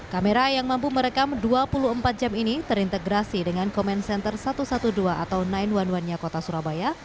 kamera yang mampu merekam dua puluh empat jam ini terintegrasi dengan comment center satu ratus dua belas atau sembilan satu nya kota surabaya